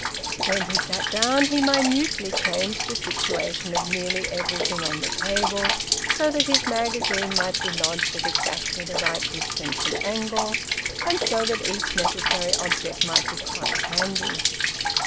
When he sat down he minutely changed the situation of nearly everything on the table, so that his magazine might be lodged at exactly the right distance and angle, and so that each necessary object might be quite handy.